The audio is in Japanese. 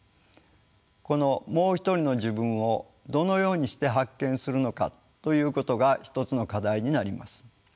この「もう一人の自分」をどのようにして発見するのかということが一つの課題になります。